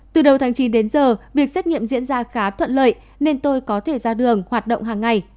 từ đầu tháng chín đến giờ việc xét nghiệm diễn ra khá thuận lợi nên tôi có thể ra đường hoạt động hàng ngày